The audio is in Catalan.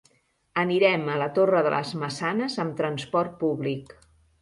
Anirem a la Torre de les Maçanes amb transport públic.